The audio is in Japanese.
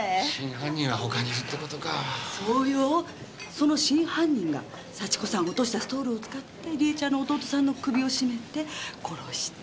その真犯人が幸子さんの落としたストールを使って理恵ちゃんの弟さんの首をしめて殺した。